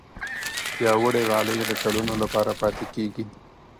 پیاوړې غالۍ د کلونو لپاره پاتې کېږي.